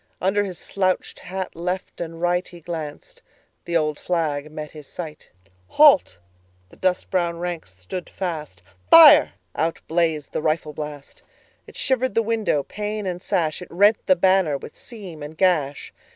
Under his slouched hat left and rightHe glanced: the old flag met his sight."Halt!"—the dust brown ranks stood fast,"Fire!"—out blazed the rifle blast.It shivered the window, pane and sash; It rent the banner with seam and gash.